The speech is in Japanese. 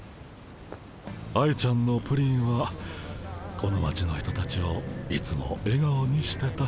愛ちゃんのプリンはこの町の人たちをいつもえがおにしてた。